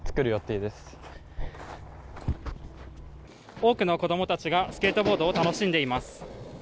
多くの子供たちがスケートボードを楽しんでいます。